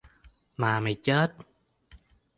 Mà mày chết